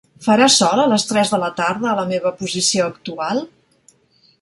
Farà sol a les tres de la tarda a la meva posició actual?